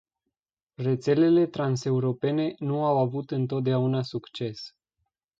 Rețelele transeuropene nu au avut întotdeauna succes.